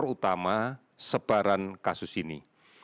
faktor utama sebaran kasus ini